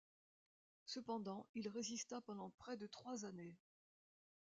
Cependant il résista pendant près de trois années.